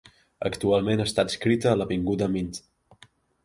Actualment està adscrita a l'avinguda Mint.